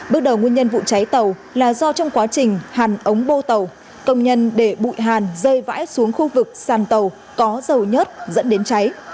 bước đầu nguyên nhân vụ cháy tàu là do trong quá trình hàn ống bô tàu công nhân để bụi hàn rơi vãi xuống khu vực sàn tàu có dầu nhớt dẫn đến cháy